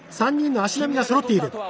３人の足並みがそろっている。